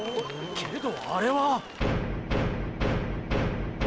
けどあれは。